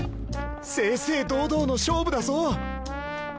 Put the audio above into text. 正々堂々の勝負だぞ。